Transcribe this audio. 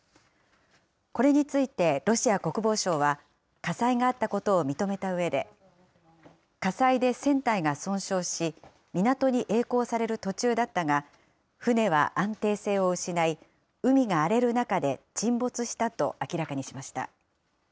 これについてロシア国防省は、火災があったことを認めたうえで、火災で船体が損傷し、港に曳航される途中だったが、船は安定性を失い、海が荒れる中で沈没したと明らかにしました。